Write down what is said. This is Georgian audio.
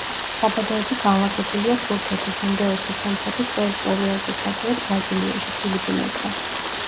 საბადოები განლაგებულია თურქეთის, ინდოეთის, სომხეთის ტერიტორიაზეც, ასევე ბრაზილიაში, ფილიპინებზე.